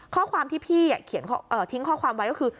ข้อความที่พี่ทิ้งข้อความไว้ก็คือ